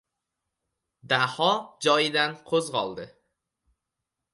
Daho joyidan qo‘zg‘oldi.